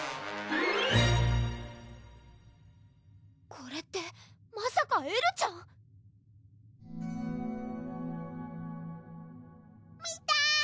これってまさかエルちゃん？みて！